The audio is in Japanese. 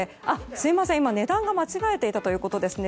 すみません、値段が間違えていたということですね。